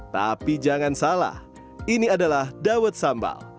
tapi jangan salah ini adalah dawet sambal